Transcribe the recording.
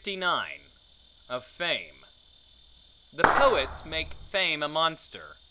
Of Fame THE poets make Fame a monster.